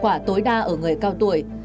khoa tối đa ở người cao tuổi